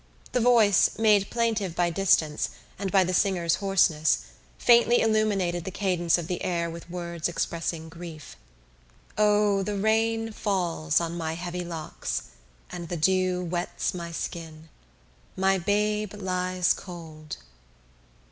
The voice, made plaintive by distance and by the singer's hoarseness, faintly illuminated the cadence of the air with words expressing grief: O, the rain falls on my heavy locks And the dew wets my skin, My babe lies cold....